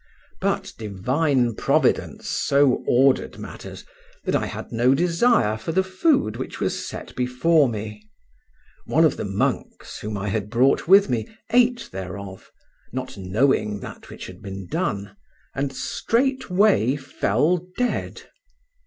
But divine providence so ordered matters that I had no desire for the food which was set before me; one of the monks whom I had brought with me ate thereof, not knowing that which had been done, and straightway fell dead.